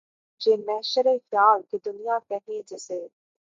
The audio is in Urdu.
یہ محشرِ خیال کہ دنیا کہیں جسے